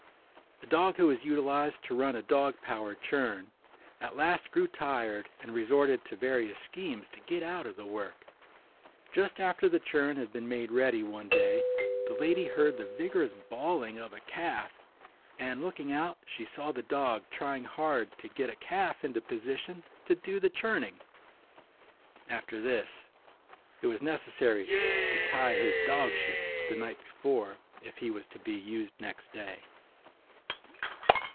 A dog who was utilized to run a dog power churn at last grew tired and resorted to various schemes to get out of the work. Just after the churn had been made ready one day the lady heard the vigorous bawling of a calf and looking out she saw the dog trying hard to get a calf into position to do the churning. After this it was necessary to tie his dog ship the night before if he was to be used next day.